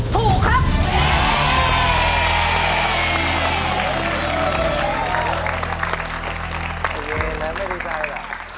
ถูกครับ